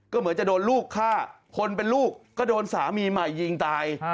ก็เหมือนจะโดนลูกฆ่าคนเป็นลูกก็โดนสามีใหม่ยิงตาย